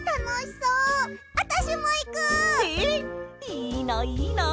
いいないいな。